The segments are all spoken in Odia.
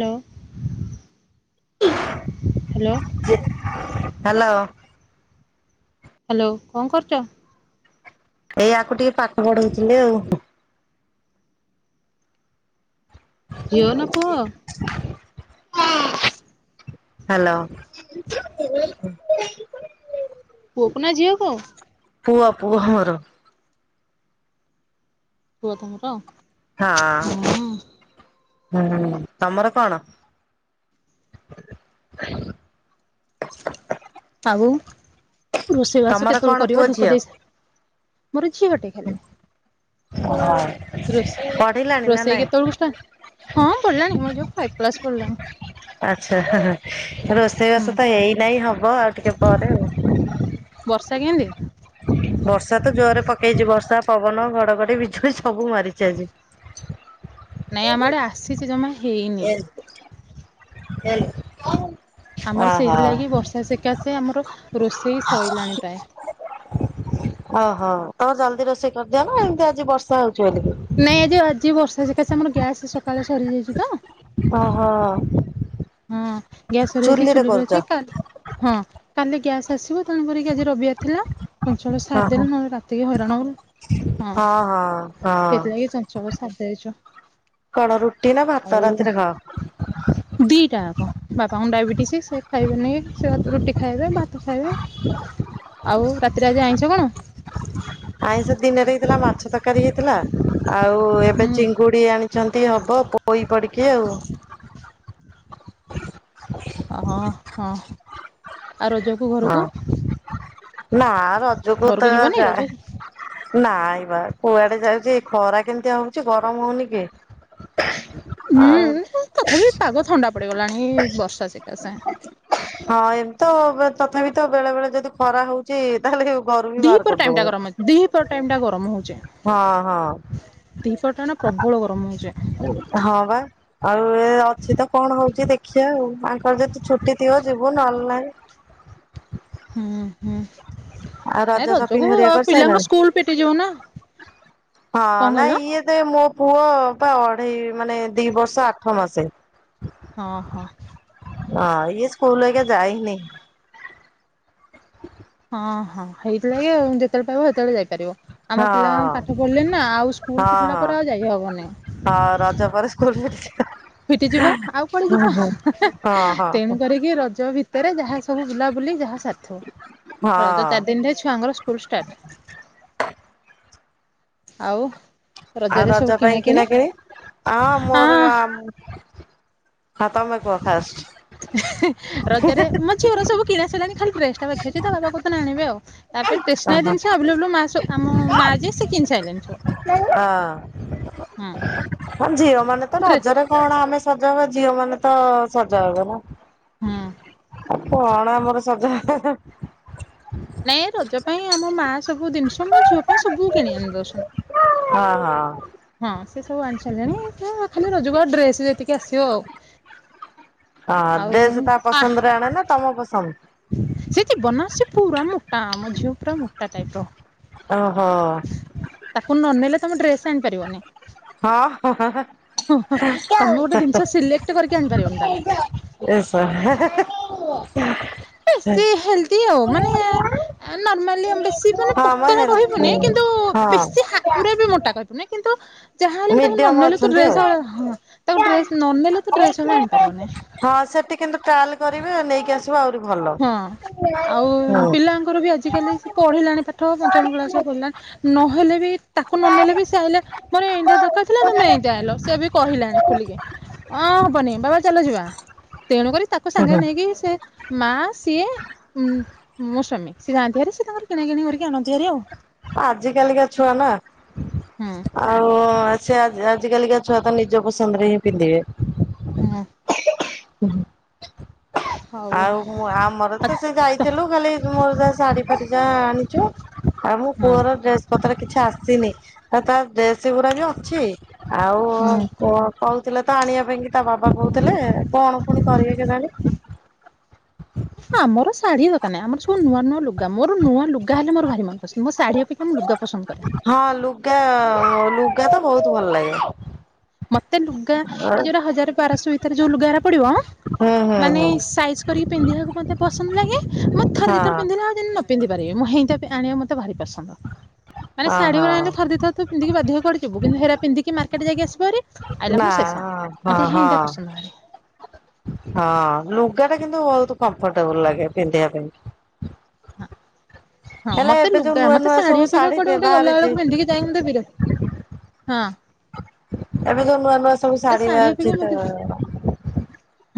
ଲୋ ହ୍ୟାଲୋ। ହାଲୋ। ହାଲୋ କଁ କରୁଚ? ଏଇ ଆକୁ ଟିକେ ପାଠ ପଢଉଥିଲି ଆଉ। ଝିଅ ନା ପୁଅ [inaudible] ହାଲୋ ପୁଅକୁ ନା ଝିଅକୁ। ପୁଅ ପୁଅ ମୋର। ପୁଅ ତୁମର? ହଁ ହୁଁ ତମର କଣ? ଆଉ ରୋଷେଇବାସ ତମର କଣ କେତେବେଳୁ ପୁଅ କରିବ ଧୂପ ଝିଅ ଦେଇ ସାରିମୋର ଝିଅ ଟେ ଖାଲି। [unintelligible] ପଢିଲାଣି ରୋଷ ନା ରୋଷେଇ ନାଇଁ କେତେବେଳକୁ ଷ୍ଟାଟ ହଁ ପଡିଲାଣି ମୋ ଝିଅ ଫାଇଭ କ୍ଲାସ ପଢିଲାଣି। ଆଚ୍ଛା ଆଛା ରୋଷେଇବାସ ତ ହେଇନାହିଁ ହବ ଆଉ ଟିକେ ପରେ ଆଉ। ବର୍ଷା କେମିତି? ବର୍ଷା ତ ଜୋରରେ ପକେଇଚି ବର୍ଷା ପବନ ଘଡଘଡି ବିଜୁଳି ସବୁ ମାରିଛି ଆଜି। ନାଇଁ ଆମ ଆଡେ ଆସିଛି ଜମା ହେଇନି। ଏ ଏ [unintelligible] ଆମର ସେଇଥିଲାଗି ବର୍ଷା ସେକା ସେ ଆମର ରୋଷେଇ ସଇଲାଣି ପ୍ରାୟେ। ଓହୋ ତମର ଜଲଦି ରୋଷେଇ କରିଦିଅ ନା ଏମିତି ଆଜି ବର୍ଷା ହଉଛି ବୋଲିିକି? ନାଇଁ ଆଜି ବର୍ଷା ସକା ସେ ଆମର ଗ୍ୟାସ୍ ସକାଳେ ସରିଯାଇଛି ତ। ଓ ହୋ। ହଁ ଗ୍ୟାସ ସରିଯାଇଛି ଚୁଲିରେ ଅଛି କା ହଁ କାଲି ଗ୍ୟାସ ଆସିବ। ତେଣୁ କରିକି ଆଜି ରବିବାର ଥିଲା ଚଞ୍ଚଳ ଓହୋ ସାରିବେଲୁ ନହେଲେ ରାତିକି ହଇରାଣ ହଉ ହଁ। ହଁ। ସବୁ ସାରିଦେଇଛୁ। କଣ ରୁଟି ନା ଭାତ ରାତିରେ ଖାଅ? ଦିଇଟା କ ବାପାଙ୍କୁ ଡାଇବେଟିସ୍ ସେ ଖାଇବେନି ସେ ରୁଟି ଖାଇବେ ଭାତ ଖାଇବେ। [unintelligible] ଆଉ ରାତିରେ ଆଜି ଆଇଁଷ କଣ? ଆଇଁଷ ଦିନରେ ହେଇଥିଲା ମାଛ ତରକାରୀ ହେଇଥିଲା ଆଉ ହୁଁ ଏବେ ଚିଙ୍ଗୁ ସେ ଆଣିଚନ୍ତି ହବ ପୋଇ ପଡିକି ଆଉ। ଓଁ ହଁ ଆଉ ରଜ ହଁ ନା ରଜକୁ ଘରକୁ ତ ଯିବନି ଯାଏ ରଜକୁ ନାଇ ବା କୁଆଡେ ଯାଉଛି ଖରା କେମିତିଆ ହଉଛି ଗରମ ହଉନି କି। ଆଉ ହୁଁ ତଥାପି ପାଗ ଥଣ୍ଡା ପଡିଗଲାଣି ବର୍ଷା ସେକା ସେ। ହଁ ଏମିତି ତ ତଥାପି ତ ବେଳେ ବେଳେ ଯଦି ଖରା ହଉ କି ତାହେଲେ ହି ଘରୁ ବି ବାହାର କରିଦ ଦି ପର ଟାଇମ ଟା ଗରମ ହଉଚେ। ହଁ ହଁ। ଦିପର ଟା ନା ପ୍ରବଳ ଗରମ ହଉଚି। ହଁ ବା। ଆଉ ଏ ଅଛି ତ କଣ ହଉଚି ଦେଖିବା ଆଉ ଆଙ୍କର ଯଦି ଛୁଟି ଥିବ ଯିବୁ ନହେଲେ ନାହିଁ। ହୁଁ ହୁଁ ଆଉ ନାଇଁ ରଜ ରଜକୁ ସପିଙ୍ଗ ହେରିଆ ପିଲାଙ୍କ କରିସାଇଲଣି? ସ୍କୁଲ ଫିଟିଯିବ ନା କଣ ହଁ କହିଲ? ନାଇ ଇଏ ତ ମୋ ପୁଅ ପା ଅଢେଇ ମାନେ ଦି ବର୍ଷ ଆଠ ମାସେ। ହଁ ହୋ। ନାଇଁ ସ୍କୁଲ ଆଜ୍ଞା ଯାଇନି। ହଁ ହଁ ହେଇଥିଲାଗି ଆଉ ଯେତେବେଳେ ପାଇବ ସେତେବେଳେ ଯାଇପାରିବ। ଆମ ହଁ ପିଲା ପାଠ ପଢିଲେ ନା ଆଉ ସ୍କୁଲ ହଁ ଫିଠିଲା ହଁ। ପରେ ଆଉ ଯାଇ ହବନି ହଁ ରାଜ ପରେ ସ୍କୁଲ [unintelligible] ଫିଟିଯିବ ଆଉ କୁଆଡେ ହଁ ଯିବା। ହଁ ତେଣୁ କରିକି ରଜ ଭିତରେ ଯାହା ସବୁ ବୁଲାବୁଲି ଯାହା ସାର ହଁ ରଜ ଚାରି ଦିନରେ ଛୁଆଙ୍କର ଫୁଲ ଷ୍ଟାର୍ଟ। ଆଉ ରଜ ରେ ସବୁ କିଣା କିଣି? ମୋର ହଁ [unintelligible] ରଜରେ ମୋ ଝିଅର ସବୁ କିଣା ସିଲାଣି ଖାଲି ଡ୍ରେସ ଟା ପାଖି ଅଛି ତା ବାବା କ ତ ଆଣିବେ ଆଉ। ତାପରେ ଟେସନାରୀ ଜିନିଷଭ ମା ମା ଯ ସେ କିିନି ସାରିଲଣି ସୁ। ଅଁ ହଁ ଝିଅ ମାନେ ତ ଡ୍ରେ ରଜରେ କଣ ଆମେ ସଜା ହବ ଝିଅ ମାନେ ତ ସଜ ହବ ନା। ହଁ କଣ ଆମର ସଜ ନାଇଁ ରଜ ପାଇଁ ଆମ ମା ସବୁ ଜିନିଷ ମୋ ଝିଅ ପାଇଁ ସବୁ କିଣ ଆଣି ଦଉଛନ୍ତି। ହଁ ହଁ ହଁ ସେ ସବୁ ଆଣି ସାରିଲାଣି ଖାଲି ରୋଜକୁ ଆଉ ଡ୍ରେସ ଯେତିକି ଆସିବ ଆଉ। ହଁ ଆଉ ଡ୍ରେସ ତା ପସନ୍ଦରେ ଆଣେ ନା ତମ ପସନ୍ଦ? ସେଠି ଜୀବନା ପୁରା ମୋଟା ଆମ ଝିଅ ପୁରା ମୋଟା ଟାଇପ ର। ଓହୋ ତାକୁ ନ ନେଲେ ତମେ ଡ୍ରେସ ଆଣିପାରିବନି। ହଁ ତମେ ଗୋଟେ ଜିନିଷ ସିଲେକ୍ଟ କରିକି ଆଣିପାରିବନି ତା ପାଇଁ। ହ [unintelligible] ବେଶ ହେଲଦି ଆଉ ମାନେ ନର୍ମାଲି ଆମେ ବେଶୀ ମାନେ ମ ପତରା ହେଲ କହିବୁନି କିନ୍ତୁ ହଁ ବେଶୀା ପୁରା ବି ମୋଟା କହିବୁନି। କିନ୍ତୁ ଯାହାହଲେ ବି ତାକୁ ମିଡିୟମ ନେଲେ ତୁ ଅଛନ୍ତି ଆଉ। ଡ୍ରେସ ହଁ ତାକୁ ଡ୍ରେସ ନ ନେଲେ ତୁ ଡ୍ରେସ ଆଣିପାରିବନି। ହଁ ସେଠି କିନ୍ତୁ ଟ୍ରାଏଲ୍ କରିବେଉ ନେଇକି ଆସିବ। ଆହୁରି ଭଲ। ହଁ ଆଉ ହୁଁ। ପିଲାଙ୍କର ବି ଆଜିକାଲି ସେ ପଢିଲାଣି ଆଠ ପଞ୍ଚମ କ୍ଳାସରେ ପଡିଲା ନହେଲେ ବି ତାକୁ ନ ନେଲେ ବି ସେ ଆଇଲେ ମ ଏଇ ଦର ଥିଲା ନା ମ ଏଇତିଆ ଆଇଲ ସେ ବି କହିଲାଣି ଖୋଲିକି ହଁ ହବନି ବାବା ଚାଲ ଯିବା। ତେଣୁକରି ତାକୁ ସାଙ୍ଗରେ ନେଇକି ସେ ମା ସିଏ ମୋ ସାମି ସିଏ ଯାଆନ୍ତିଆରି ସେି ତାଙ୍କର କିଣା କିିଣି କରିକି ଆଣନ୍ତିଆରି ଆଉ। ଆଜି କାଲିକା ଛୁଆ ନା ହଁ ଆଉ ସେ ଆଜିକାିକା ଛୁଆ ତ ନିଜ ପସନ୍ଦରେ ହିଁ ପିନ୍ଧିବେ। ହୁଁ ହୁଁ ହଉ ଆଉ ମୁଁ ଆମର ତ ସେ ଯାଇଥିଲୁ ଖାଲି ମୋର ଯା ଶାଢୀ ଫାଢ ଯାହା ଆଣିଛୁ। ଆଉ ମୁଁ ହଁ ପୁଅର ଡ୍ରେସ ପତ୍ର କିଛି ଆସିନି। ତ ଡ୍ରେସ ଗୁରା ବି ଅଛି ଆଉ। ହୁଁ କ କହୁଥିଲେ ତ ଆଣିବା ପାଇଁ ତା ବାବା କହୁଥିଲେ କଣ ପୁଣି କରିବେ କେ କାଣି। ଆମର ଶାଢୀ ତାହିେ ଆମରବୁୂଆ ନୂଆ ଲଗ ମୋର ନୂଆ ଲୁଗା ହେ ମର ଭାର ମନ ପସନ୍ଦ ଅଓକ୍ଷା ଲୁଗା ପସନ୍ଦ କରେ। ହଁ ଲୁଗା ଲୁଗା ତ ବହୁତ ଭଲ ଲାଗେ। ମତେ ଲୁଗା ଏ ଯୋଉଟା ହଜାର ବାରଶହ ଭିତରେ ଯୋଉ ଲୁଗା ହେ ପଡିବ ହୁଁ ହୁଁ ମାନେ ହୁଁ ସାଇଜ କରିକି ପିନ୍ଧିବାକୁ ମତେ ପସନ୍ଦ ଲାଗେ ମତ ଥ ଦ ହଁ ଥ ପିନ୍ଧିଲା ଆଉ ନ ପିନ୍ଧିପାରିବି ମୁଁ ହେଇଁତିଆ ପେ ଆଣିବା ମତେ ଭାରି ପସନ୍ଦ ମାନେ ହଁ ଶାଢ଼ୀ ହଁ [unintelligible] ଥରେ ଦି ଥର ତ। ପିନ୍ଧିକି ବାଧ୍ୟ ହେଇ କୁଆଡ଼େ ଯିବୁ କିନ୍ତୁ ହେରା ପନ୍ଧିକି ମାର୍କେଟ ଯାଇକି ଆସିବୁ ହେରି। ନା ହଁ ହଁ ପସନ୍ଦ ଭାରି। ହଁ। ହଁ ଲୁଗା ଟା କିନ୍ତୁ ବହୁତ କମ୍ଫଟେବୁଲ ଲାଗେ ପିନ୍ଧିବା ପାଇଁ କି। ହଁ ହଁ ହେଲେ ମତେ ଏବେ ଯୋଉ ଲୁଗା ନୂଆ ମତେ ନୂଆ ସବୁ ଶାଢୀ ଅପେକ୍ଷା କୁଆଡେ ଗୋଟେ ଗଲା ବାହାରିଛି ବେଳକୁ ପିନ୍ଧିକି। ଯାଇଁ ତ [unintelligible] ହଁ। ଏବେ ଯୋଉ ନୂଆ ନୂଆ ସବୁ ଏ ଶାଢ଼ି ଶାଢୀ ବାହାରୁଛି ଅପେକ୍ଷା ମତେ ତ।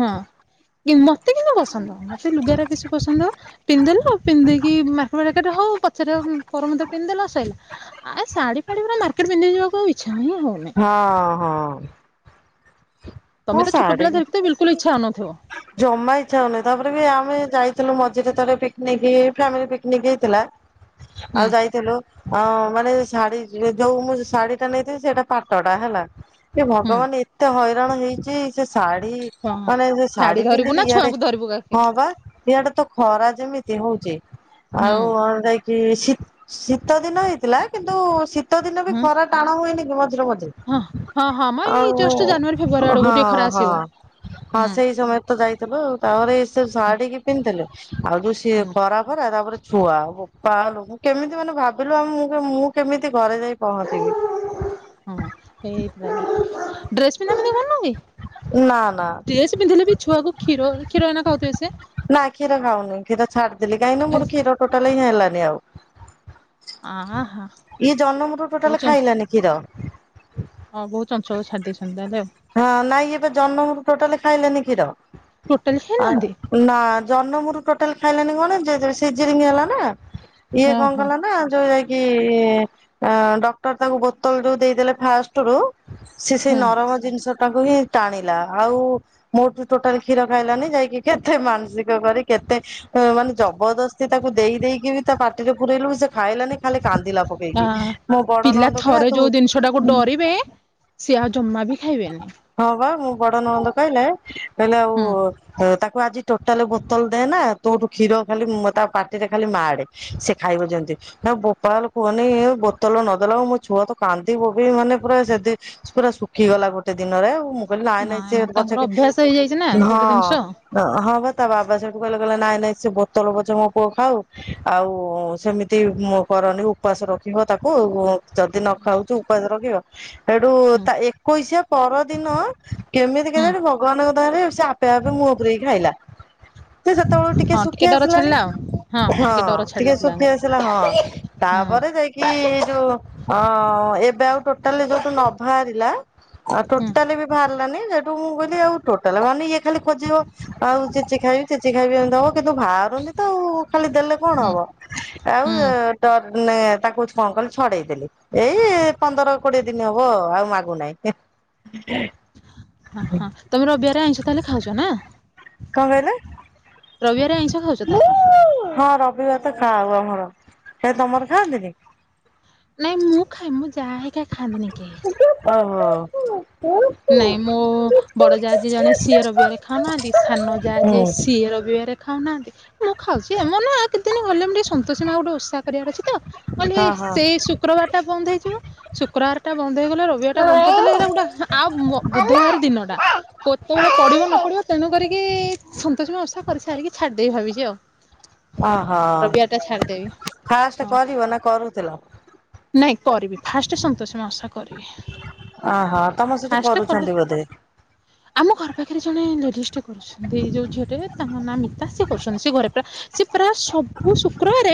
ହଁ କି ମତେ କିନ୍ତୁ ପସନ୍ଦ। ମତେ ଲୁଗା ରା ବେଶୀ ପସନ୍ଦ ପିନ୍ଧଦେଲୁ ପିନ୍ଧଦେଇକି ମାକେଟ୍ ଫାକେଟ୍ ହଉ। ପଛରେ ଉଁ ପର ମୁଦେ ପିନ୍ଧିଦେଲ ସରିଲା ଆ ଏ ଶାଢୀ ଫାଢ଼ି ଗୁରା ମାର୍କେଟ ପିନ୍ଧିକି ଯିବାକୁ ଆଉ ଇଚ୍ଛା ହିଁ ହଉନି। ହଁ ହଁ। ତମେ ତ ଛୋଟ ଶାଢୀ ପିଲା ଧରିକି ତ ବିଲକୁଲ ଇଚ୍ଛା ହଉ ନଥିବ। ଜମା ଇଚ୍ଛା ହଉନି ତାପରେ ବି ଆମେ ଯାଇଥିଲୁ ମଝିରେ ଥରେ ପିକନିକ ଫ୍ୟାମିଲି ପିକନିକ୍ ହେଇଥିଲା। ହୁଁ ଆଉ ଯାଇଥିଲୁ। ହଁ ମାନେ ଶାଢୀ ଯୋଉ ମୁଁ ଶାଢୀ ଟା ନେଇଥିନି ସେଇଟା ପାଟ ଟା ହେଲା। ଏ ହୁଁ ଭଗବାନ ଏତେ ହଇରାଣ ହେଇଛି। ସେ ଶାଢୀ ହଁ ମାନେ ସେ ଶାଢୀ ଧରିବୁ ପିନ୍ଧିଲି ନା ଇଆଡେ ଛୁଆଙ୍କୁ ଧରିବୁ କାଖେ ହଁ ପା। ଇଆଡେ ତ ଖରା ଯେମିତି ହଉଛି ହୁଁ ଆଉ କଣ ଯାଇ ଚି ଶୀ-ଶୀତ ଦିନ ହେଇଥିଲା କିନ୍ତୁ ଶୀ ଶୀତ ଦିନ ବି ହୁଁ ଖରା ଟାଣ ହୁଏନି କି ମଝିରେ ମଝିରେ ହଁ ହଁ ହଁ ମ ଏଇ ଜଷ୍ଟ ଜାନୁଆରୀ ଆଉ। ଫେବୃଆରୀ ଆଡକୁ ହଁ ଟିକେ ଖରା ହଁ ଆସିବ ହଁ ହୁଁ ସେଇ ସମୟ। ତ ଯାଇଥିଲୁ ଆଉ ତାପରେ ଏଇ ସେ ହୁଁ ଶାଢୀ କି ପିନ୍ଧିଦେଲି ଆଉ ଯୋଉ ସିଏ ହୁଁ ଖରା ଫରା ତାପରେ। ଛୁଆ ବୋପାଲୋ ମୁଁ କେମିତି ମାନେ ଭାବିଲୁ ଆଉ ମୁଁ କେ ମୁଁ କେମିତି ଘରେ ଯାଇ ପହଞ୍ଚିବି। ହଁ ହଁ ହେ ହେଇଥିଲା ଡ୍ରେସ ପିନ୍ଧା ପିନ୍ଧା କରୁନୁ କି? ନା ନା। ଡ୍ରେସ୍ ପିନ୍ଧିଲେ ବି ଛୁଆ କୁ କ୍ଷୀର କ୍ଷୀର ଏଇନା ଖାଉଥିବେ ସେ। ନା କ୍ଷୀର ଖାଉନି କ୍ଷୀର ଛାଡିଦେଲି କାହିଁକି ନା ମୋର କ୍ଷୀର ଟୋଟାଲି ହିଁ ହେଲାନି ଆଉ। ଆହା ଇଏ ଜନମରୁ ଟୋଟାଲ କହୁଛନ୍ତି ଖାଇଲାନି କ୍ଷୀର। ହଁ ବହୁ ଚଞ୍ଚଳ ଛାଡି ଦେଇଛନ୍ତି ତାହେଲେ ଆଉ। ହଁ ନାଇଁ ଇଏ ପା ଜନମ ରୁ ଟୋଟାଲି ଖାଇଲେନି କ୍ଷୀର ଟୋଟାଲି ଖାଇନାହାନ୍ତି ଆ ନା ଜନମରୁ ଟୋଟାଲ ଖାଇଲାନି କଣ ଯେ ଯେ ସିଯରିଙ୍ଗ ହେଲା ନା। ଇଏ ହଁ କଣ ହଁ କଲା ନା ଯୋଉ ଯାଇ କି ଅ ଡକ୍ଟର ତାଙ୍କୁ ବୋତଲ ଯୋଉ ଦେଇଦେଲେ ଫାର୍ଷ୍ଟ ରୁ। ସେ ସେଇ ହଁ ନରମ ଜିନିଷ ଟାକୁ ହିଁ ଟାଣିଲା ଆଉ। ମୋଠୁ ଟୋଟାଲ କ୍ଷୀର ଖାଇଲାନି ଯାଇକି କେତେ ମାନସିକ କରି କେତେ। ଅ ମାନେ ଜବରଦସ୍ତି ତାକୁ ଦେଇ ଦେଇ କି ବି ତା ପାଟିରେ ପୁରେଇଲୁ ବି ସେ ଖାଇଲାନି ଖାଲି କାନ୍ଦିଲା ପ ଆ ପିଲା ଥରେ ଯୋଉ ଜିନିଷ ଟାକୁ ଡରିବେ ସିଏ ଆଉ ଜମା ବି ଖାଇବେନି। ହଁ ପା ମୋ ବଡ ନଣନ୍ଦ କହିଲେ କହିଲେ ଆଉ। ହୁଁ ଅ ତାକୁ ଆଜି ଟୋଟାଲ ବୋତଲ ଦେ ନା ତୋଠୁ କ୍ଷୀର ଖାଲି ଉଁ ତା ପାଟିରେ ଖାଲି ମାଡେ। ସେ ଖାଇବ ଯେମିତି। ଏ ବୋପାଲୋ କୁହନି ବୋତଲ ନ ଦେଲାଣୁ ମୋ ଛୁଆ ତ କାନ୍ଦି ବୋବେଇ ମାନେ ପୁରା ସେଦି ପୁରା ଶୁଖିଗଲା ଗୋଟେ ଦିନରେ ଆଉ ମୁଁ କହିଲି ନାଇଁ ନାଇଁ ସିଏ ମା [unintelligible] ତାଙ୍କର ପଛକେ ଅଭ୍ୟାସ ହେଇଯାଇଛି ନା ହଁ। ଗୋଟେ ଜିନିଷ ଅଁ ହଁ ବା ତା ବାବା ସେଇଠୁ କହିଲେ କହିଲେ ନାଇଁ ନାଇଁ ସେ ବୋତଲ ପଛେ ମୋ ପୁଅ ଖାଉ। ଆଉ ସେମିତି ମୋ କରନି ଉପାସ ରଖିବ ତାକୁ। ଯଦି ନ ନା ଖାଉଛି ଉପାସ ରଖିବ ଏଠୁ ହୁଁ ତା ଏକୋଇଶିଆ ପରଦିନ। କେମିତି ହୁଁ କେଜାଣି ଭଗବାନଙ୍କ ଦୟାରେ ସେ ଆପେ ଆପେ ମୁହଁ ପୁରେଇ ଖାଇଲା। [inaudible] ସେ ସେତେବେଳକୁ ଟିକେ ହଁ ଶୁଖି ଡର ଆସିଲାଣି ଛାଡିଲା ଆଉ ହଁ ଟିକେ ଡର ଟିକେ ଛାଡିଲା ଶୁଖି ପିଲାଙ୍କର ଆସିଲା ହଁ ହଁ ତାପରେ ଯାଇ କି ଯଉ ଅ- ଏବେ ଆଉ ଟୋଟାଲି ଯଉୁଠୁ ନ ବାହାରିଲା ଆଉ ହୁଁ ଟୋଟାଲି ବି ବାହାରିଲାନି ହେଟୁ ମୁଁ କହିଲି ଆଉ ଟୋଟାଲେ ବାହାରୁନି ଇଏ ଖାଲି ଖୋଜିବ। ଆଉ ଚିଚି ଖାଇବି ଚିଚି ଖାଇବି ଏମିତି ହବ କିନ୍ତୁ ବାହାରୁନି ତ ଆଉ ଖାଲି ଦେଲେ କଣ ହୁଁ ହୁଁ ହବ। ଆଉ ଡ ନା ତାକୁ କଣ କଲି ଛଡେଇଦେଲି ଏଇ ପନ୍ଦର କୋଡିଏ ଦିନ ହବ ଆଉ ମାଗୁନାହିଁ। [inaudible] ହଁ- ହଁ ତମେ ରବିବାରେ ଆଇଁଷ ତାହେଲେ ଖାଉଚ ନା? କଣ କହିଲେ- ରବିବାରେ ଆଇଁଷ ଖାଉଛ ତାହେଲେ ହଁ ରବିବାର୍ [unintelligible] ଆମର ସେ ତମର ଖାଆନ୍ତିନି? ନାଇଁ ମୁଁ ଖାଏ ମୋ ଜା ହେରିକା ଖାଆନ୍ତିନି କେହି। ଓହୋ। ହୁଁ ନାଇଁ ମୋ ବଡ ଜା ଯିଏ ଜଣେ ସିଏ ରବିଆରେ ଖାଉନାହାନ୍ତି ସାନ ଜା ଯିଏ ସିଏ ରବିଆରେ ଖାଉନାହାନ୍ତି ମୁଁ ଖାଉଚି ଏ ମୁଁ ନା କେତେଦିନ ଗଲେ ମୁଁ ଟିକେ ଶୁ ସନ୍ତୋଷୀ ମା ଗୋଟେ ଉଷା କରିବାର ଅଛି ତ କହିଲି ହଁ ହଁ। ସେଇ ଶୁକ୍ରବାର ଟା ବନ୍ଦ ହେଇଯିବ। ଶୁକ୍ରବାର ଟା ବନ୍ଦ ହେଇଗଲେ ରବିବାର ଟା ବନ୍ଦ କରିଦେଲେ ହେରା ଗୋଟା ଆଉ ବୁଧବାର ଦିନଟା। କେତେବେଳେ ପଡିବ ନ ପଡିବ ତେଣୁ କରିକି ସନ୍ତୋଷୀ ମା ଉଷା କରି ସାରିକି ଛାଡିଦେବି ଭାବିଚି ଆଉ। ଓହୋ ରବିବାରଟା ଛାଡ଼ିଦେବି ଫାଷ୍ଟେ ହଁ କରିବ ନା କରୁଥିଲ? ନାଇଁ କରିବି ଫାଷ୍ଟେ ସନ୍ତୋଷୀ ମା ଉଷା କରିବି ଓହୋ ତମ ସେଠି ଫାଷ୍ଟ କଲେ କରୁଛନ୍ତି ବୋଧେ ଆମ ଘର ପାଖରେ ଜଣେ ଲେଡିଜ୍ ଟେ କରୁ ଛନ୍ତି ଏଯଉ ଝିଅଟେ ତାଙ୍କ ନାଁ ମିିତା ସିଏ କରୁଚନ୍ତି ସେ ଘରେ ପୁରା ସେ ପ୍ରାୟ ସବୁ ଶୁକ୍ରୁବାରେ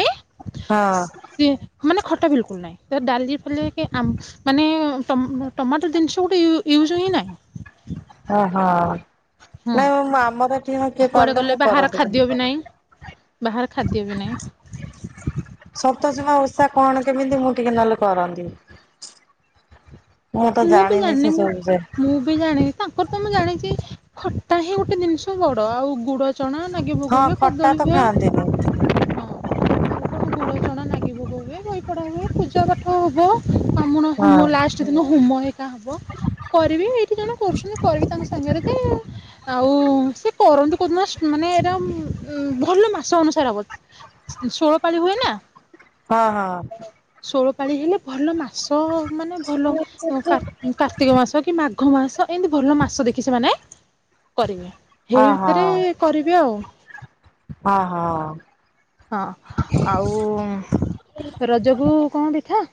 ହଁ ସିଏ ମାନେ ଖଟା ବିଲ୍ ନାହିଁ ତ ଡାଲି ଫାଲି କି ଆମ୍- ମାନେ ଟମ୍- ଟମାଟୋ ଜିନିଷ ଗୋଟେ -ଗୋଟେ ୟୁଜ୍ ହିଁ ନାହିଁ। ଓହୋ ହୁଁ ନାଇଁ ଆମର ଏଠି କିଏ କଲେ ମୁଁ କରନ୍ତି। ଏବେ ନାହିଁ। ବାହାର ଖାଦ୍ୟ ବି ନାହିଁ। ସନ୍ତୋଷୀ ମା ଓଷା କଣ କେମିତି ମୁଁ ଟିକେ ନହେଲେ କରନ୍ତି। ମୁଁ ତ ଜାଣିନି ସେସବୁ ବିଷୟରେ। ମୁଁ ବି ଜାଣିନି ତାଙ୍କର ତ ମୁଁ ଜାଣିଚି ଖଟା ହିଁ ଗୋଟେ ଜିନିଷ ବଡ ଆଉ ଗୁଡ ଚଣା ନାଗି ହଁ ଭୋଗ ହୁଏ ଖଟା କଦଳୀ ଦିଏ। [inaudible] ହୁଳ ଚଣା ନାଗି ଭୋଗ ହୁଏ ବହି ପଢା ହୁଏ ପୂଜା ପାଠ ହବ ବ୍ରାହ୍ମଣ ହଁ ହୋମ ଲାଷ୍ଟ୍ ଦିନ ହୁମ ହେକା ହବ କରିବି ଏଇଠି ଜଣ କରୁଚନ୍ତି କରିବି ତାଙ୍କ ସାଙ୍ଗରେ ଯେ ଆଉ ସେ କରନ୍ତୁ କଉଦିନ ମାନେ ଏଇଟା ଉଁ- ଭଲ ମାସ ଅନୁସାରେ ହବ। ସୋଳପାଳି ହୁଏ ନା। ହଁ- ହଁ। ଷୋଳ ପାଳି ହେଲେ ଭଲ ମାସ ମାନେ ଭଲ କା କାର୍ତ୍ତିକ ମାସ କି ମାଘ ମାସ ଏମିତି ଭଲ ମାସ ଦେଖି ସେମାନେ କରିବେ ହଁ ହେଇ ଭିତରେ ହଁ କରିବେ ଆଉ। ହଁ- ହଁ। ହଁ ଆଉ ରଜକୁ କଣ ପିଠା?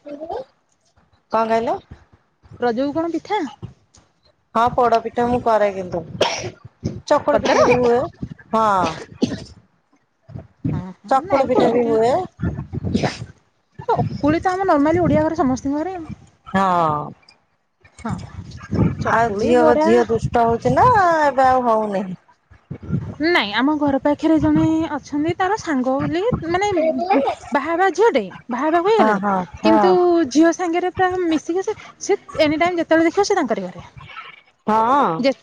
କଣ କହିଲେ? ରଜକୁ କଣ ପିଠା? ହଁ ପୋଡ ପିଠା ମୁଁ କରେ କିନ୍ତୁ ଚକୁଳି କରିପାର? ପିଠା ବି ହୁଏ ହଁ। ହଁ ହଁ ଚକୁଳି ନାଇଁ ପୋଡ ପିଠା ବି ହୁଏ। ଚକୁଳି ତ ଆମ ନର୍ମାଲି ଓଡ଼ିଆ ଘରେ ସମସ୍ତଙ୍କ ଘରେ ଆଉ। ହଁ ହଁ ଆ ଚକୁଳି ଝିଅ ବରା ଝିଅ ଦୁଷ୍ ଦୁଷ୍ଟ ହଉଛି ନା ଏବେ ଆଉ ହଉନି। ନାଇଁ ଆମ ଘର ପାଖରେ ଜଣେ ଅଛନ୍ତି ତାର ସାଙ୍ଗ ବୋଲି। ମାନେ ବାହାହବା ଝିଅଟେ ବାହାହବାକୁ ହଁ ହେଇଗଲାଣି ହଁ କିନ୍ତୁ ଝିଅ ସାଙ୍ଗରେ। ରା ମିଶିକି ସେ ସେ ଏନି ଟାଇମ ଯେତେବେଳେ ଦେଖିବା ସେ ତାଙ୍କରି ଘରେ। ହଁ।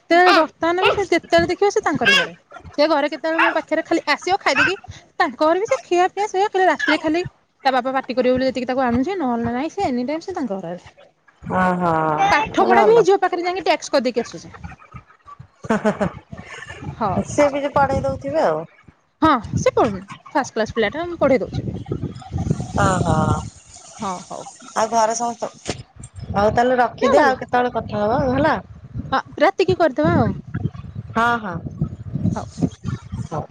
ସେତେବେଳେ ବର୍ତ୍ତମାନ ବି ସେ ଯେତେବେଳେ ଦେଖିବ ସେ ତାଙ୍କରି ଘରେ ସେ ଘରେ କେତେବେଳେ ମୋ ପାଖରେ ଖାଲି ଆସିବ ଖାଇଦେଇକି ଫେ ତାଙ୍କର ବି ସେ ଖିଆପିଆ ଶୋଇଆ ଖାଲି ରାତିରେ ଖାଲି ତା ବାପା ପାଟି କରିବ ବୋଲି ଯେତିକି ତାକୁ ଆଣୁଛେ ନହେଲେ ନାଇଁ ସେ ଏନି ଟାଇମ ସେ ତାଙ୍କ ଘରେ। ହଁ ପାଠ ଭଲ ପଢା ବି ଝିଅ ପାଖରେ ଯାଇକି ଟ୍ୟାକ୍ସ କରିଦେଇକି ଆସୁଛି। ହଉ ସେ ବି କିଛି ପଢେଇ ଦଉଥିବେ ଆଉ ହଁ ସେ ପଢ଼ୁନି। ଫାଷ୍ଟ କ୍ଲାସ୍ ପିଲାଟା ମୁଁ ପଢ଼େଇ ଦେଉଛି। ଓ ହୋ। ହଁ ହଉ। ଆଉ ଘରେ ସମସ୍ତେ ହଉ ତାହେଲେ ରଖିଦେ ଆଉ କେତେବେଳେ କଥା ହବ ହେଲା। ହ ରାତି କି କରିଦବା ଆଉ। ହଁ ହଁ ହଉ। ହଉ।